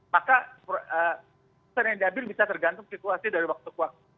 maka serendabil bisa tergantung situasi dari waktu ke waktu